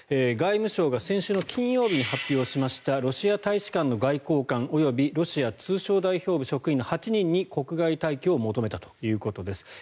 外務省が先週金曜日に発表しましたロシア大使館の外交官及びロシア通商代表部職員の８人に国外退去を求めたということです。